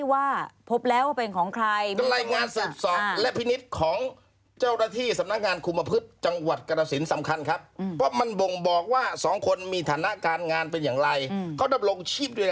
หน้าการงานเป็นอย่างไรเขาต้องลงชีพด้วยยังไง